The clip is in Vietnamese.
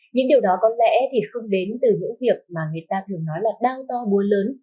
những điều đó có lẽ thì không đến từ những việc mà người ta thường nói là đau to múa lớn